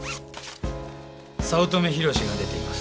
早乙女宏志が出ています。